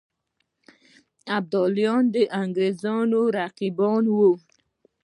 ابدالي د انګرېزانو رقیب وو.